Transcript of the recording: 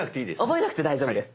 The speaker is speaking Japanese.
覚えなくて大丈夫です。